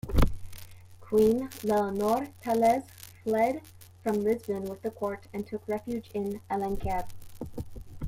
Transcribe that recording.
Queen Leonor Teles fled from Lisbon with the court and took refuge in Alenquer.